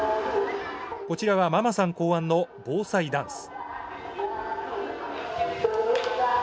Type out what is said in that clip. こちらはママさん考案の防災ダンス。